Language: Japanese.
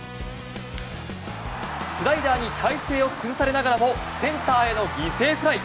スライダーに体勢を崩されながらもセンターへの犠牲フライ。